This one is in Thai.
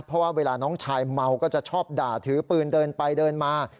เพราะว่าเวลาน้องชายเมาก็จะชอบด่าถือปืนเดินไปเดินมา